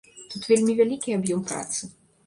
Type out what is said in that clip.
Тут вельмі вялікі аб'ём працы.